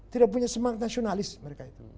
tidak punya semangat nasionalis mereka itu